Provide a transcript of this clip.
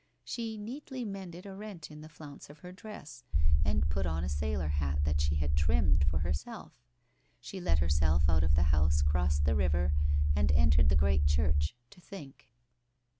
She neatly mended a rent in the flounce of her dress, and put on a sailor hat that she had trimmed for herself. She let herself out of the house, crossed the river, and entered the great church, to think.